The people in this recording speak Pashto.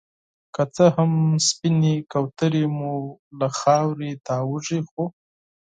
که څه هم سپينې کونترې مو له خاورې تاويږي ،خو